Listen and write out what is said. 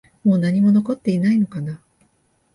もう何も残っていないのかな？